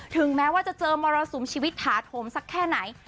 ถึงแม้ว่าจะเจอมรสุมชีวิตถาโถมสักแค่ไหน